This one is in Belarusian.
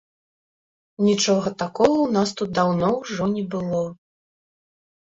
Нічога такога ў нас тут даўно ўжо не было.